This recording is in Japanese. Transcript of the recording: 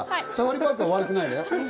サファリパークは悪くないのよ。